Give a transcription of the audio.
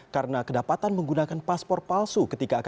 karena kedapatan menggunakan paspor palsu